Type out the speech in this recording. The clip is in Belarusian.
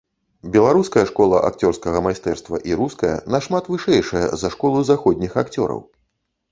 Беларуская школа акцёрскага майстэрства і руская нашмат вышэйшая за школу заходніх акцёраў.